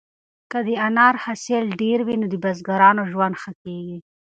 که د انار حاصل ډېر وي نو د بزګرانو ژوند ښه کیږي.